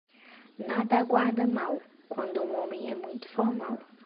Nada aguarda mal, quando um homem é muito formal.